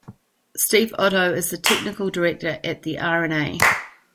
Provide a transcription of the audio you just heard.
Steve Otto is the technical director at the R and A.